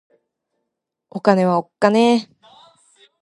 お金はおっかねぇ